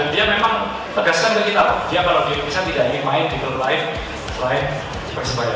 dia memang tegaskan ke kita dia kalau di indonesia tidak ingin main di klub lain selain persebaya